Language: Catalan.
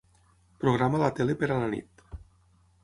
Programa la tele per a la nit.